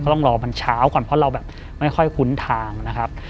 ต้องรอมันเช้าก่อนเพราะเราแบบไม่ค่อยคุ้นทางนะครับ